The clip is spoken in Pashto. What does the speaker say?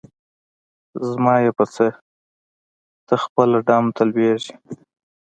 زما یی په څه؟ ته خپله ډم ته لویږي.